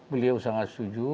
beliau sangat setuju